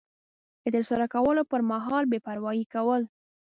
د ترسره کولو پر مهال بې پروایي کول